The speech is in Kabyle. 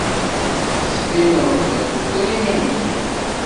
Tettbineḍ-d tufiḍ iman-ik.